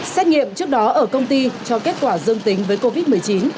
xét nghiệm trước đó ở công ty cho kết quả dương tính với covid một mươi chín